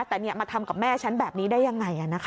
แต่เนี่ยมาทำกับแม่ฉันแบบนี้ได้ยังไงอ่ะนะคะ